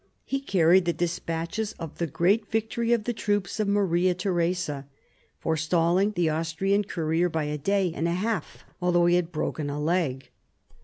He carried the despatches of the great victory of the troops of Maria Theresa, forestalling the Austrian courier by a day and a half, although he had a broken leg.